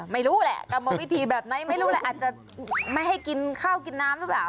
ไม่รู้แหละกรรมวิธีแบบไหนไม่รู้แหละอาจจะไม่ให้กินข้าวกินน้ำหรือเปล่า